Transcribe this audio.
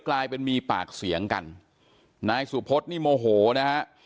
กลายเป็นมีปากเสียงกันนายสุพธนี่โมโหนะฮะ